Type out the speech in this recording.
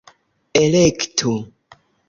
elektu